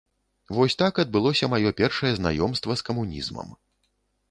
Вось так адбылося маё першае знаёмства з камунізмам.